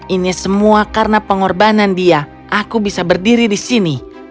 ini semua karena pengorbanan dia aku bisa berdiri di sini